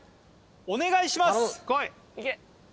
お願いします